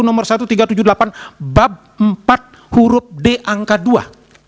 terhadap keputusan kpu no seribu tiga ratus tujuh puluh delapan bab empat huruf d angka dua